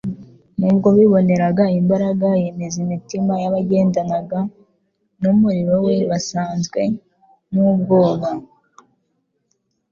Ubwo biboneraga imbaraga yemeza imitima yagendanaga n’umurimo We basazwe n’ubwoba,